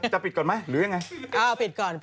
จะปิดก่อนไหมหรือยังไง